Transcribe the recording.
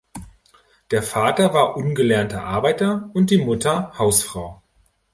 Der Vater war ungelernter Arbeiter und die Mutter Hausfrau.